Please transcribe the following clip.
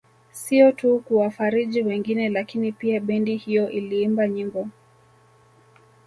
Sio tu kuwafariji wengine lakini pia bendi hiyo iliimba nyimbo